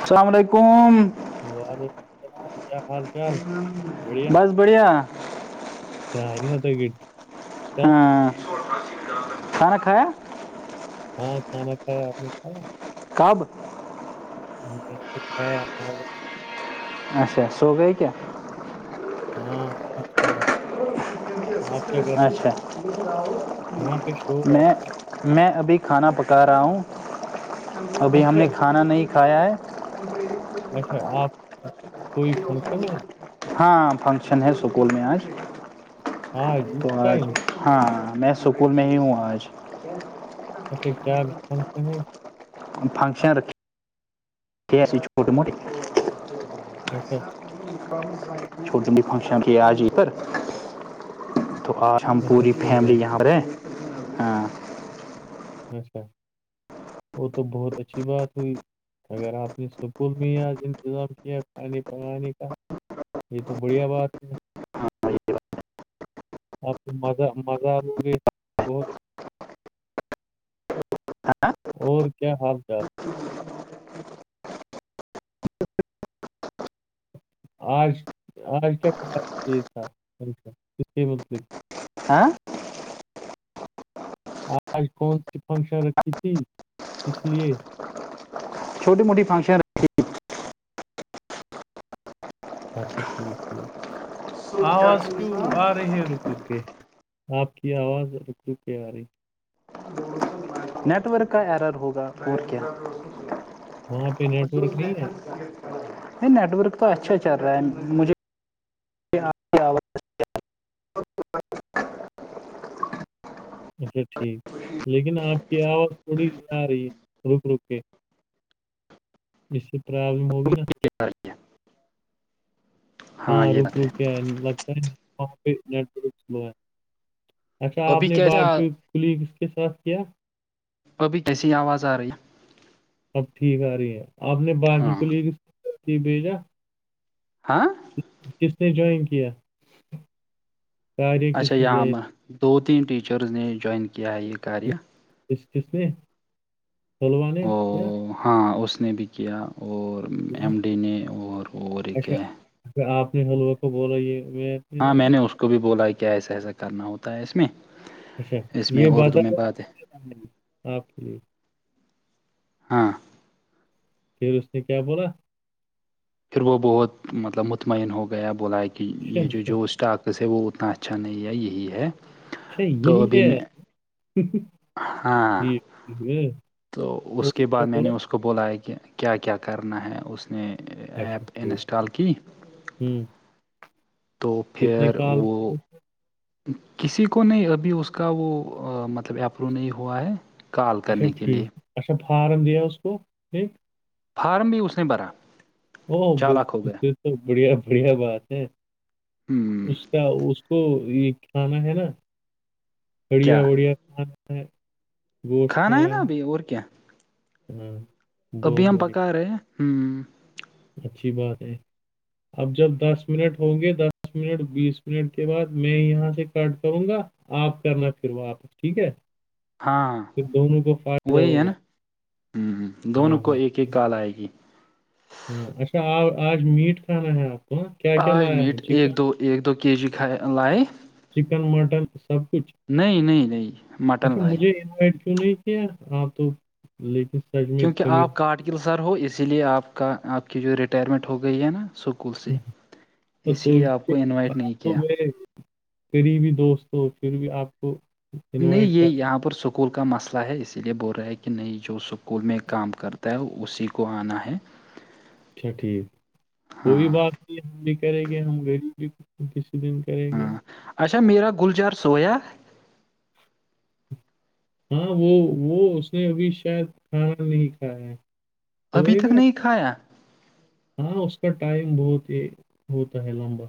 السلام علیکم وعلیکم السلام کیا حال چال بس بڑھیا کاری اد ک سان کے ہاں شام کھ آ کا کب میں نے توچھا ہاں اچا سو گ کیا ہاں کچ ہو رہا آپ کیا کر رہے اچھا ہو وہاں پہ شور آ میں رہا میں ابھی کھانا پکا رہا ہوں ہے ابھی ہم نے اچھا کھانا نہیں کھایا ہے جی اچھا آپ کوئی فنکشن ہے ہاں فنکشن ہے سکول میں آج آج اس تو آج ٹائم ہاں میں سکول میں ہی ہوں آج ج اچھا کیا فنکشن ہے فنکشن رکھ یہسی چھوٹٹی موٹے جیی چھوٹی جی فنکشن کی آ جی پر تو آ اچ ہم اچھا پوری ٹھیک ہے فیملی یہاں پ رہ اچھا وہ تو بہت اچھی بات ہوئی اگر آپ نے سکول میں ہی آج انتظام کیا کھانے پکانے کا یہ تو بڑھیا بات ہے آپ کو مزہ مزہ آو گے بہت ہاں اور کیا حال چال آج آج کیا تھا ملق ہاں آج کون سی فنکشن رکھی تھی اس لیے چھوٹی موٹے فنکشن رہ اچھا ٹھیک ٹھیک آواز کیوں فنکشن آ رہے ہیں رک رک آپ کی آواز رک رو کے آ رہی نیٹ ورک کا ایرر ہوگا اور کیا وہاں پہ نیٹ ورک نہیں ہے نہیں نیٹ ورک تو اچھا چل رہا ہے مجھے پواز اچھا ٹھیک لیکن آپ کی آواز تھوڑی آ رہی ہے رک رک کے اس پرابلم ہوگی نا کر ہاں رک رک کیا ہے لگتا ہےیٹلو ہے اچا ابھی آپن با کیسے کلیگس کے ساتھ کیا کبھی کیسی آواز آ رہی ہے اب ٹھیک آ رہی ہے آپ نے باقی ہاں کلیگ بھیجا ہاں کس نے جووائن کیا کاریہ کس اچھا نے یہاں جوائن دو تین ٹیچرز نے جوائن کیا ہے یہ کاریہ کسکش نے پھلوان او کیا ہاں اس نے بھی کیا اور ایم ڈی نے اور اور ایک ہے ا آپ نے حلوہ کو بولا یہ میں اپنی ہاں میں لایا نے اس کو بھی بولا کیا ایسا ایسا کرنا ہوتا ہے اس میں اچھا اس میں یہ بات اردو میں ہے آپ کی ہاں پھر اس نے کیا بولا پھر وہ بہت مطلب مطمئن ہو گیا بلایا کہ اچھا یہ جو اچھا جو اسٹاک ویسے وہ اتنا اچھا نہیں ہے یہی ہے اچھا تو یہی ابھی ہے میں ہاں ٹھیک ہے تو اور اس کے کیا بعد میں نے بولا اس کو اس کو بولا ہے کہ کیا کیا کرنا ہے اس نے اچھا ایپ ٹھیک انسٹال کی ہوں تو کتنے پھر کال وہ کسی کو نہیں ابھی اس کا وہ مطلب اپرو نہیں ہوا ہے کال اچا کرنے کے ٹھیک لیے اچھا فارم د اس کوٹ فارم بھی اس نے بھرا او چالاک ہو گیا پھر تو بڑھیا بڑھیا بات ہے اس ہ کیا اس کو یہ کھانا ہے نا کیا بڑھیا بڑھیا کھانا ہے گوش کھانا ہے نا کانا ابھی اور ابھییام پکاے ہوں اچھی بات ہے اب جب دس منٹ ہوں گے دس منٹ بیس منٹ کے بعد میں یہاں سے کاٹ کروں گا آپ کرنا پھر واپس ٹھیک ہے ہاں ہاں پھر دونوں کو فائدہ وہی ہے ہوگا نا ہاں ہدونوں کو ہاں ایک ایک کال آئے گی ہاں اچھا اور آج میٹ کھانا ہے آپ کو ہاں؟ کیا کیا آاج لایا ہے میٹ چکن ایک دو ایک دو کے جی کھ لائے چکن مٹن سب کچھ نہیں نہیں نہیں مٹن اچھا لائے مجھے انوائٹ نہیں کیا آپ تو لیکن سچ میں کیونکہ کمی آپ کاٹگل سر ہو اسی لیے آپ کا آپ کی جو ریٹائرمنٹ ہو گئی ہے نا سے تو اسی لیے آپ کو انوائٹ نہیں تو کیا میں قری بھیی دوست ہو پھر بھی آپ کو نہیں انوائٹ یہ کر یہاں پر سک اسکول کا مسئلہ ہے اسی لیے بول رہا ہے کہ نہیں جو سکول میں کام کرتا ہے اسی کو آنا ہے اچھا ٹھیک وہی ہاں بات ہم بھی کریں گے ہم غریب بھی کسی دن کریں گے اچھا میرا گلجار سویا ہاں وہ وہ اس نے ابھی شاید کھانا نہیں کھایا ہے ابھی سوئے تک گا نہیں کھایا ہاں اس کا ٹائم بہت ہی ہوتا ہے لمبا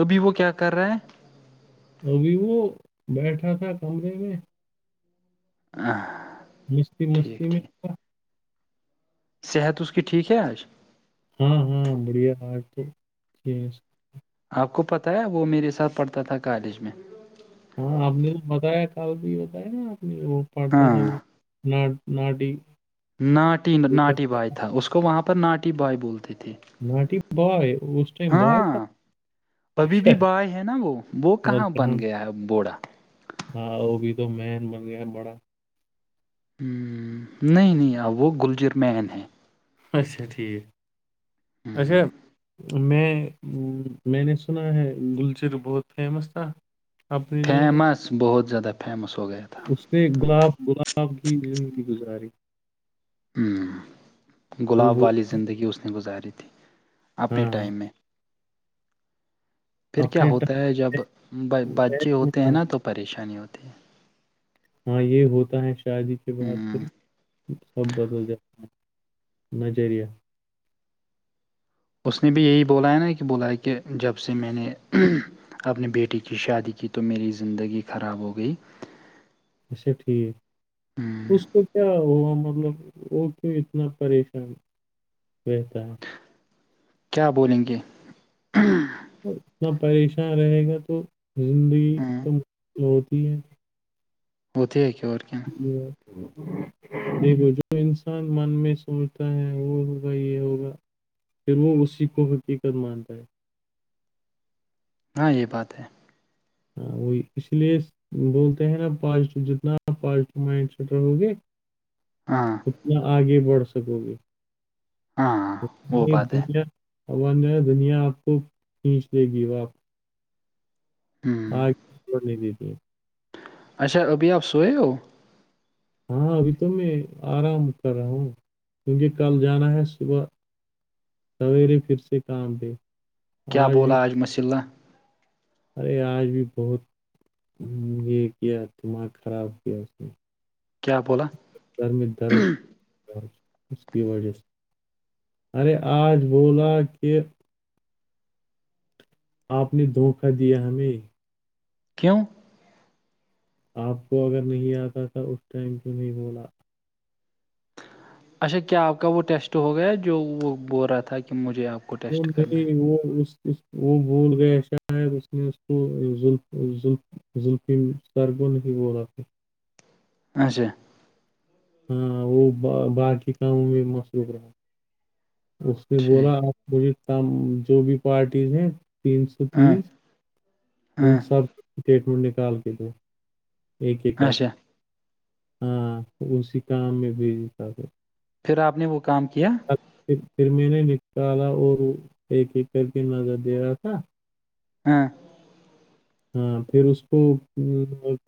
ابھی وہ کیا کر رہے ہے ابھی وہ بیٹھا تھا کمرے میں نہ [inaudible] مستی مستی میں صحت اس کیی ٹھیک ہے حج ہاں ہاں بڑھیا آج تو ٹھ آپ کو پتاہ ہے وہ میرے ساتھ پڑھتا تھا کالج میں ہاں آپ نے تو بتایا کل بھی بتایا نا آپ نے وہ پڑھتا تھا ہاں وہ ناٹیی ناٹی ناٹی بائے تھا اس کو وہاں پر ناٹی بوائے بولتے تھے نٹی بائے اس ائم بائے تھا ہاں ابھی بھی بائے ہے نا وہ وہ کہاں بن گیا ہے بوڑا ہاں وہ بھی تو مین بن گیا بڑا نہیں نہیں وہ گلجیر مین ہے اچھا ٹھیک اچھا میں میں نے سنا ہے گلچر بہت فیمس تھا اپنے دنوں میں فیمس بہت زیادہ فیمس ہو گیا تھا اس نے گلاب گلاب کی زندگی گزاری وہ گلاب بہت والی زندگی اس نے گزاری تھی اپنے ہاں ہاں ٹائم میں پھر کیا اپنے ہوتا ہے جب ٹائم بچے میں ہوتے ہیں تھا۔ نا تو پریشانی ہوتی ہے ہاں یہ ہوتا ہے شادی کے ہے بعد ہ پھر سبدل د نظریہ اس نے بھی یہی بولایا نا کہ بولایا کہ جب سے میں نے اپنے بیٹی کی شادی کی تو میری زندگی خراب ہو گئی اچھا ٹھیک ہوں، اس کو کیا ہوا مطلب وہ کیوں اتنا پریشان رہتا ہے کیا بولیں گے اتنا پریشان رہے گا تو زندگی ہاں تو مل ہوتی ہے ہوتی ہے کیا اور کیااں ج دیکھو جو انسان من میں سوچتا ہے وہ ہوگا یہ ہوگا پھر وہ اسی کو حقیقت مانتا ہے ہاں یہ بات ہے ہاں وہی اس لیے بولتے ہیں نا پازیٹو جتنا پازیو مائنڈ سیٹ رہو گے گب ہاں کیایا آگے بڑھ سکو گے ہاں ہاں وہ بات ہے دنیا اا دنیا آپ کو کھینچ لے گی وہ آپ کو آ ہوں نہیں دی ت اچھا ابھی آپ سوئے ہو ہاں ابھی تو میں آرام کر رہا ہوں کیونکہ کل جانا ہے صبح سویر پھر سے کام د کیا بوللا آجمس اللہ ارے آج بھی بہت یہ کیا دماغ خراب کیا اس میں کیا بوللا سر میں درد اس کی وجہ سے ارے آج بولا کہ آپ نے دھوکہ دیا ہمیں کیوں آپ کو اگر نہیں آتا تھا اس ٹائم کیوں نہیں بولا اچھا کیا آپ کا وہ ٹیسٹ ہو گیا جو وہ بول رہا تھا کہ مجھے آپ کو وہ ٹیسٹ کرنا نہیں وہ اس اس وہ بھول گیا شاید اس نے اس کوظفظف زلفیم سر کو نہیں بولاتتے اچھا ہاں وہ باقی کاموں میں مشرور رہا اس نے ٹھیک بولا آپ مےم جو بھی پارٹیز ہیں تین سو ہاں تیس ہ ہاں سب اسٹیٹمنٹ نکال کے دو ایک ایک کر اچھا ہاں اسی کام میں بھیجتا تھا پھر آپ نے وہ کام کیا پھر میں نے نکالا اور ایک ایک کر کے نظر دے رہا تھا ہاں ہاں پھر اس کو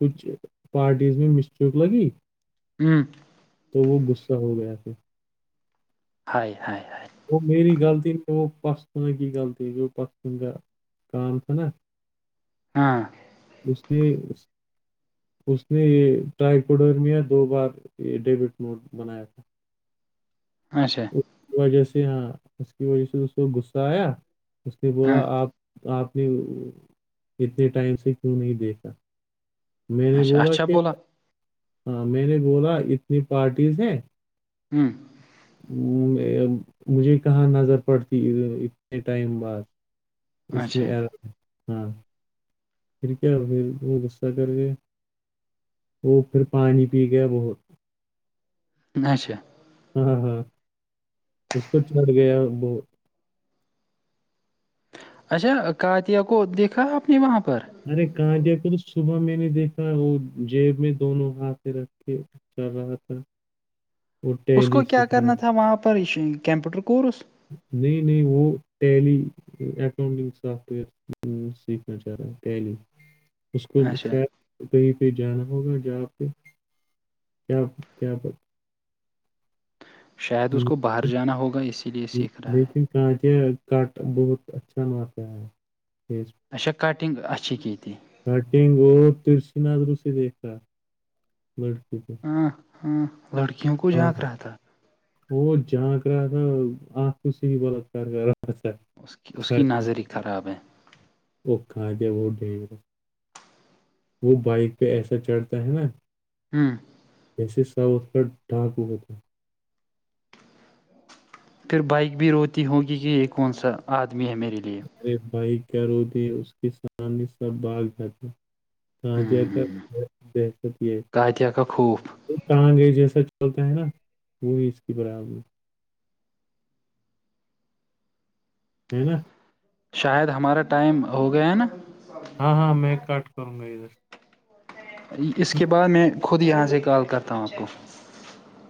کچھ پارٹیز میں مسٹیک لگی ہوں تو وہ غصہ ہو گیا پھر ہ ہے وہ میری غلطی میں وہ پسنے کی غلطی جو پسن کا کام تھا نا ہاں اس میں اس نے یہ ٹائی کوڈرمیا دو بار یہ ڈیبٹ نوٹ بنایا تھا ہاںا اس وجہ سے ہاں اس کی وجہ سے اس کو غصہ آیا اس نے ہاں بولا آپ آپ نے اتنے ٹائم سے کیوں نہیں دیکھا میں نے اچھا بولا اچھا کہ ہاں میں نے بولا اتنی پارٹیز ہیں ہوں مجھے کہاں نظر پڑتی اتنے ٹائم بعد اس اچھا میں آ ہاں پھر کیا غصہ کر کے وہ پھر پانی پی گیا بہت اچھا ہاں ہاں اس کو چڑ گیا وہ اچھا کاتیا کو دیکھا آپ نے وہاں پر ارے کاندیا کو تو صبح میں نے دیکھا وہ جیب میں دونوں ہاتھ رکھے چلو تو اس کو کیا کرنا ہے تھا وہاں پر کمپیوٹر کورس نئی نئی وہ ٹیلی اکؤٹنگ سافٹوئر سیککھنا چاہر تیلی اسشم اچھا سر تو کہیں پہ جانا ہوگا جا پہ کیا کیا شاید اس کو باہر جانا ہوگا اسی لیے سیکھ رہا بی ہے چ کاناں ت کٹ بہت اچھان وپ فی ب اچا کٹنگ اچھی کےیتی کٹنگ اور ترسیناادرو سے دیکھا لڑکے کو ہاں ہاں لڑکیوں کو ہاں جھانگ رہا تھا وہ جھانگ رہا تھا آنکھ کو صحی بلاتکار کر رہا تھا اس کی اس کی ناظر خراب ہے وہکھا ج وہ ڈگر وہ بائک پہ ایسا چڑھتا ہے نا ہوں جیسے ساؤتھ پ ڈھاکو ہوئے تھ پھر بائک بھی روتی ہوگی کہ یہ کون سا آدمی ہے میرے لیے ارے بھائی کیا روتے اس کے سامنے سب بھاگ جتے ہ خجہ کا بہشت یہ کاتیا کا خوف انگ جیسا چلتا ہے نا وہ بھی اس کی برابر ٹھیک ہے شاید ہمارا ٹائم ہو گیا ہے نا ہاں ہاں میں کاٹ کروں گا ادھر اس کے بعد میں خود یہاں سے کال کرتا ہوں آپ کو